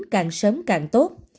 càng sớm càng tốt